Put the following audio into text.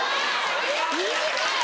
短い！